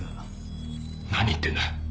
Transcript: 何言ってんだ！？